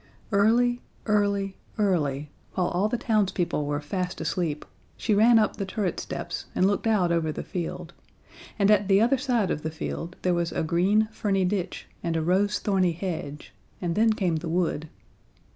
Early, early, early, while all the townspeople were fast asleep, she ran up the turret steps and looked out over the field, and at the other side of the field there was a green, ferny ditch and a rose thorny hedge, and then came the wood.